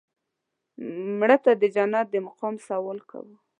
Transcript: مړه ته د جنت د مقام سوال کوو